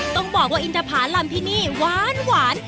ต้องบอกว่าอินทภาลำที่นี่หวาน